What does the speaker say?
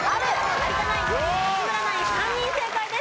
有田ナイン５人勝村ナイン３人正解です。